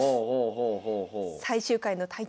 最終回の対局